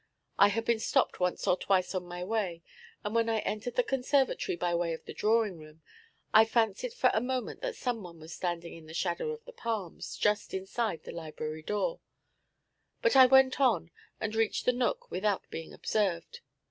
I had been stopped once or twice on my way, and when I entered the conservatory by way of the drawing room, I fancied for a moment that someone was standing in the shadow of the palms, just inside the library door; but I went on, and reached the nook without being observed.